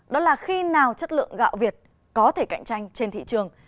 đó là khi nào chất lượng gạo việt có thể cạnh tranh trên thị trường